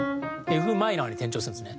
Ｆマイナーに転調するんですね。